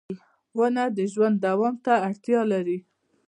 • ونه د ژوند دوام ته اړتیا لري.